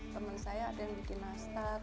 teman saya ada yang bikin nastar